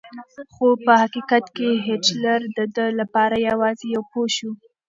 خو په حقیقت کې هېټلر د ده لپاره یوازې یو پوښ و.